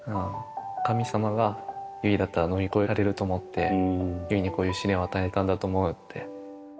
神様が優生だったら乗り越えられると思って、優生にこういう試練を与えたんだと思うって。